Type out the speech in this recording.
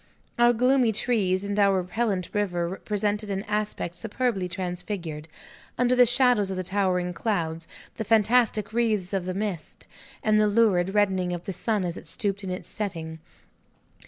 Our gloomy trees and our repellent river presented an aspect superbly transfigured, under the shadows of the towering clouds, the fantastic wreaths of the mist, and the lurid reddening of the sun as it stooped to its setting.